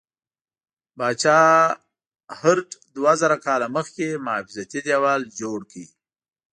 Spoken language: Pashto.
پاچا هرډ دوه زره کاله مخکې محافظتي دیوال جوړ کړ.